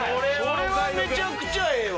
それはめちゃくちゃええわ。